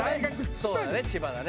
そうだね千葉だね。